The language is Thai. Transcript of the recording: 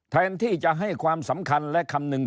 แทนที่จะให้ความสำคัญและคำนึง